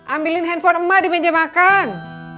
ambilin handphone emak di meja makan